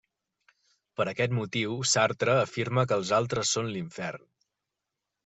Per aquest motiu, Sartre afirma que els altres són l'infern.